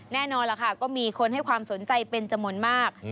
แน่นอนล่ะค่ะก็มีคนให้ความสนใจเป็นจำนวนมาก